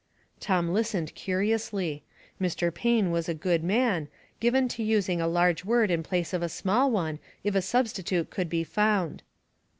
Tom listened curiously. Mr. Payne was a good man, given to using a large word in place of a small one if a substitute could be found.